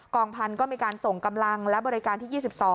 องพันธุ์ก็มีการส่งกำลังและบริการที่๒๒